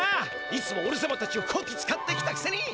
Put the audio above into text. いつもおれさまたちをこき使ってきたくせに。